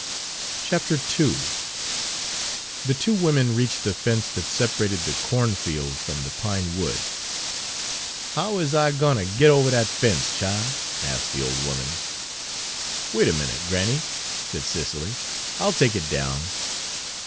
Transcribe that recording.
II The two women reached the fence that separated the cornfield from the pine woods. "How is I gwine ter git ovuh dat fence, chile?" asked the old woman. "Wait a minute, granny," said Cicely; "I'll take it down."